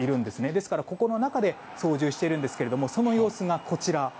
ですからこの中で操縦しているんですがその様子がこちら。